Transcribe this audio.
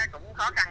cũng khó khăn